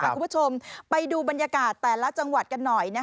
คุณผู้ชมไปดูบรรยากาศแต่ละจังหวัดกันหน่อย